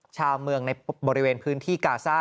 ชาวเมืองในบริเวณพื้นที่กาซ่า